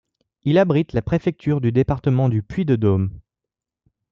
Il abrite la préfecture du département du Puy-de-Dôme.